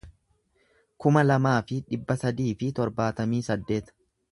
kuma lamaa fi dhibba sadii fi torbaatamii saddeet